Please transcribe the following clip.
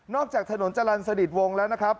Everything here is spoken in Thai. นอกจากถนนจรรย์สดิตวงแล้วนะครับ